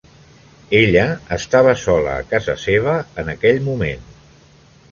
Ella estava sola a casa seva en aquell moment.